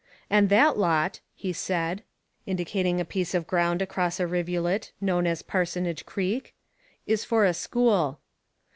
'And that lot,' he said, indicating a piece of ground across a rivulet known as Parsonage Creek, 'is for a school.'